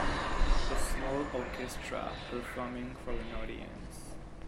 a small orchestra performing for an audience.